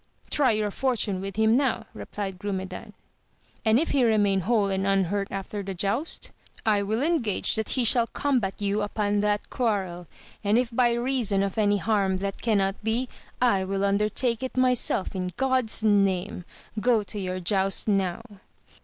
Try your fortune with him now, replied Grumedan, and if he remain whole and unhurt after the joust, I will engage that he shall combat you upon that quarrel, and if by reason of any harm that cannot be, I will undertake it myself in God's name ! go to your joust now.